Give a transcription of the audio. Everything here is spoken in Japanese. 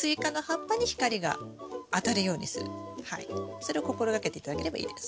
それを心がけて頂ければいいです。